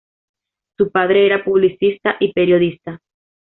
Su padre era publicista y periodista.